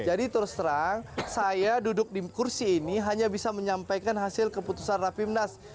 jadi terus terang saya duduk di kursi ini hanya bisa menyampaikan hasil keputusan raffi mnas